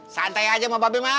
santai aja sama babi mah